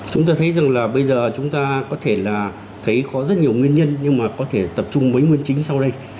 chúng ta thấy rằng là bây giờ chúng ta có thể là thấy có rất nhiều nguyên nhân nhưng mà có thể tập trung với nguyên chính sau đây